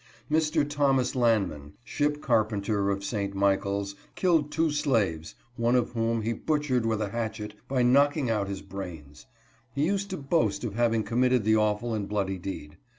Mr. Thomas Lanman, ship carpenter of St. Michaels, killed two slaves, one of whom he butchered with a hatchet by knocking out his brains. He used to boast of having committed the awful and bloody deed.